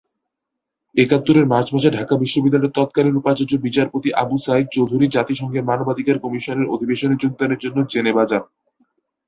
একাত্তরের মার্চ মাসে ঢাকা বিশ্ববিদ্যালয়ের তৎকালীন উপাচার্য বিচারপতি আবু সাঈদ চৌধুরী জাতিসংঘের মানবাধিকার কমিশনের অধিবেশনে যোগদানের জন্য জেনেভা যান।